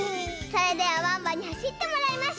それではワンワンにはしってもらいましょう！